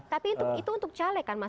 tapi itu untuk caleg kan mas